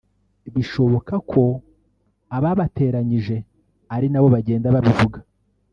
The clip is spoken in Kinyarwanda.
Bishoboka ko ababateranyije ari nabo bagenda babivuga)